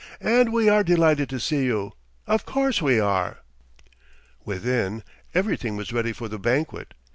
And we are delighted to see you. Of course we are! ..." Within, everything was ready for the banquet.